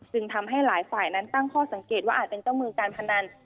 ทำให้หลายฝ่ายนั้นตั้งข้อสังเกตว่าอาจเป็นเจ้ามือการพนัน